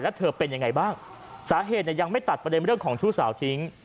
แล้วเธอเป็นยังไงบ้างสาเหตุเนี่ยยังไม่ตัดประเด็นเรื่องของชู้สาวทิ้ง